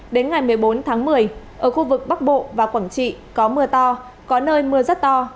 đến ngày một mươi bốn tháng một mươi ở khu vực bắc bộ và quảng trị có mưa to có nơi mưa rất to